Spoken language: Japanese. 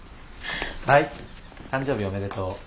はい誕生日おめでとう。